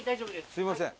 すみません。